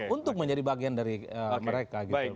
untuk menjadi bagian dari mereka gitu